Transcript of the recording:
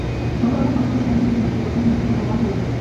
ساغلاملىق باشقۇرۇش بەلگىلىك ئېنىقسىزلىقنى ئۆز ئىچىگە ئالغان بولىدۇ.